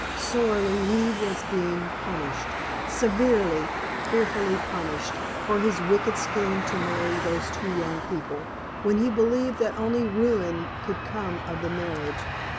Sorely he was being punished severely, fearfully punished for his wicked scheme to marry those two young people, when he believed that only ruin could come of the marriage.